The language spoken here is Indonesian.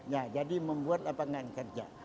ya jadi membuat lapangan kerja